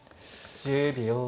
１０秒。